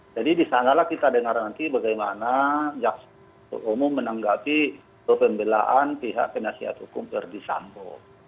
jadi disanalah kita dengar nanti bagaimana jaksa penuntut umum menanggapi pembelahan pihak penasehat hukum verdi sambo